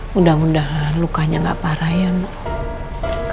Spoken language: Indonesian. mudah mudahan lukanya gak parah ya mak